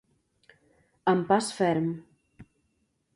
Amb pas ferm.